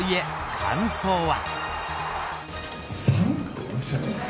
感想は。